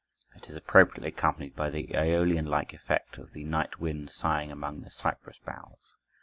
It is appropriately accompanied by the Æolian like effect of the night wind sighing among the cypress boughs.